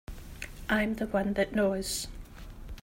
I'm the one that knows.